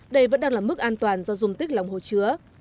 đây vẫn đang là mức an toàn do dùng tích lòng hồ chứa